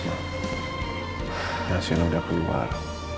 hasilnya udah keluar